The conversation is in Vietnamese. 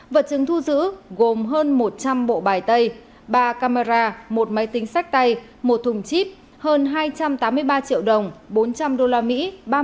vật chứng thu giữ gồm hơn một trăm linh bộ bài tay ba camera một máy tính sách tay một thùng chip hơn hai trăm tám mươi ba triệu đồng bốn trăm linh usd ba mươi bốn điện thoại di động hai trăm tám mươi bốn ba trăm ba mươi điểm